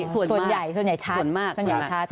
ส่วนใหญ่ชัด